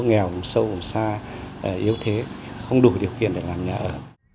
nghèo sâu xa yếu thế không đủ điều kiện để làm nhà ở